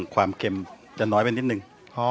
ความเค็มจะน้อยไปนิดนึง